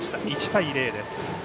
１対０です。